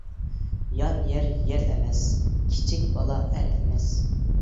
يان يەر يەر ئەمەس، كىچىك بالا ئەر ئەمەس.